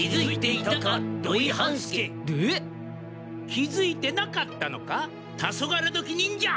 気づいてなかったのかタソガレドキ忍者。